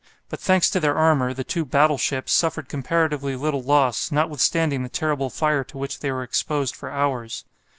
But, thanks to their armour, the two "battleships" suffered comparatively little loss, notwithstanding the terrible fire to which they were exposed for hours.